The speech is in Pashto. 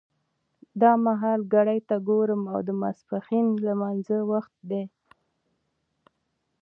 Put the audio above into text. دا مهال ګړۍ ته ګورم او د ماسپښین د لمانځه وخت دی.